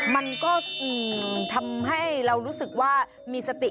มันก็ทำให้เรารู้สึกว่ามีสติ